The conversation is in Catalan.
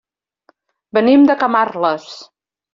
Venim de Camarles.